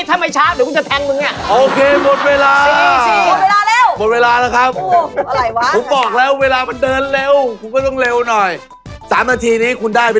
แทงกว่านี้ช้ากว่านี้ถ้าไม่ช้าหรือวจารูจะแทงมึงเนี่ย